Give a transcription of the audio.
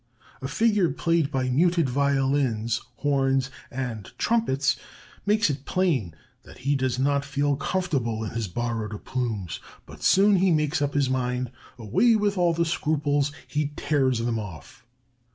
A figure played by muted violins, horns, and trumpets makes it plain that he does not feel comfortable in his borrowed plumes. But soon he makes up his mind. Away with all scruples! He tears them off.